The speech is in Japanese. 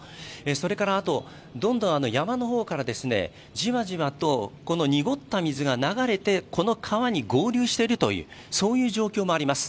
それからあと、どんどん山の方からじわじわと濁った水が流れて、この川に合流しているという状況もあります。